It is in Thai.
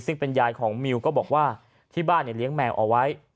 ซึ่งเป็นยายของมิวก็บอกว่าที่บ้านเลี้ยงแมวเอาไว้